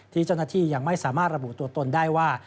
ที่เจ้าหน้าที่ยังไม่สามารถระบุตัวตนได้ว่า